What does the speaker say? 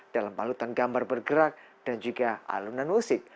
dalam balutan gambar bergerak dan juga alunan musik